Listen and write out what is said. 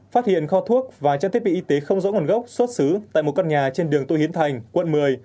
phát hiện kho thuốc và trang thiết bị y tế không rõ nguồn gốc xuất xứ tại một căn nhà trên đường tô hiến thành quận một mươi